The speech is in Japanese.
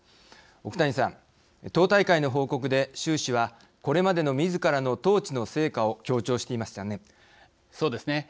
奥谷さん、党大会の報告で習氏はこれまでのみずからの統治の成果をそうですね。